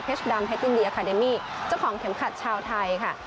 ดำแตินเดียคาเดมี่เจ้าของเข็มขัดชาวไทยค่ะ